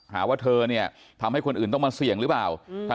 หาว่าเธอเนี่ยทำให้คนอื่นต้องมาเสี่ยงหรือเปล่า